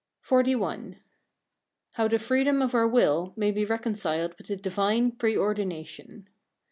XLI. How the freedom of our will may be reconciled with the Divine pre ordination.